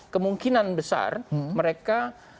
kemungkinan besar mereka